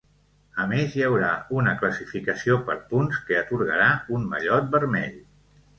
A més, hi haurà una classificació per punts, que atorgarà un mallot vermell.